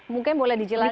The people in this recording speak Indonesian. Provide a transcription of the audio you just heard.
mungkin boleh dijelasin